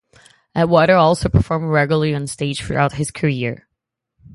Atwater also performed regularly on stage throughout his career.